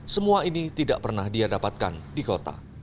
semua ini tidak pernah dia dapatkan di kota